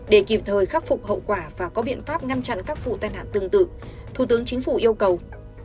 để kịp thời khắc phục hậu quả và có biện pháp ngăn chặn các vụ tai nạn tương tự thủ tướng chính phủ yêu cầu